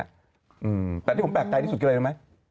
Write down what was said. เอือแต่ที่ผมแปลกใจที่สุดก็จะทำยังไง